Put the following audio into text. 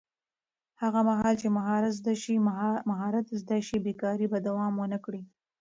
هغه مهال چې مهارت زده شي، بېکاري به دوام ونه کړي.